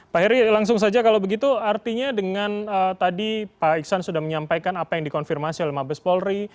pak heri langsung saja kalau begitu artinya dengan tadi pak iksan sudah menyampaikan apa yang dikonfirmasi oleh mabes polri